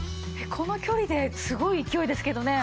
この距離ですごい勢いですけどね。